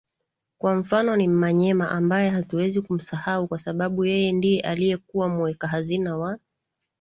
Kwa mfano ni mmanyema ambae hatuwezi kumsahau kwasababu yeye ndie aliyekuwa muweka hazina wa